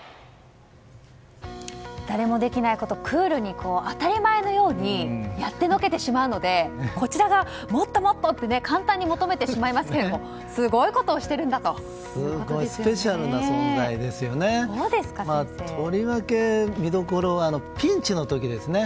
誰もできないことをクールに、当たり前のようにやってのけてしまうのでこちらがもっともっとって簡単に求めてしまいますけどすごいことをしているんだということですよね。